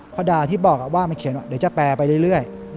พระดาที่บอกว่ามาเขียนว่าเดี๋ยวจะแปลไปเรื่อย